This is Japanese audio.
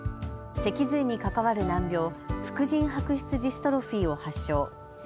脊髄に関わる難病、副腎白質ジストロフィーを発症。